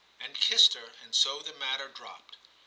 ' and kissed her, and so the matter dropped.